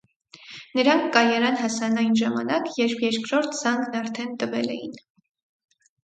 Նրանք կայարան հասան այն ժամանակ, երբ երկրորդ զանգն արդեն տվել էին: